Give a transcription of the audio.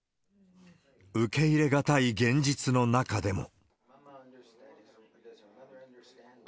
受け入れがたい現実の中でも。